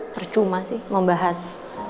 percuma sih membahas